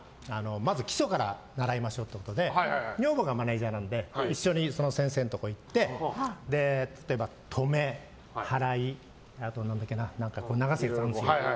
まず基礎から習いましょうっていうことで女房がマネジャーなので一緒に先生のところ行って例えば、止め、払い、流すとかいろいろあるんですよ。